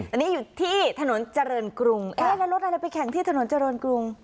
อันนี้อยู่ที่ถนนเจริญกรุงเอ๊ะแล้วรถอะไรไปแข่งที่ถนนเจริญกรุง